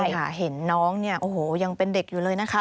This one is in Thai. ใช่ค่ะเห็นน้องเนี่ยโอ้โหยังเป็นเด็กอยู่เลยนะคะ